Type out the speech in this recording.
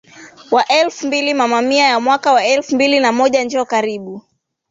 wa elfu mbili Mama Mia ya mwaka wa elfu mbili na moja Njo Karibu